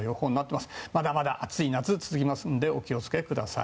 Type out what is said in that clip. まだまだ暑い夏が続きますのでお気をつけください。